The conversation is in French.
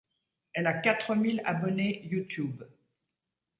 Elle a quatre mille abonnés YouTube.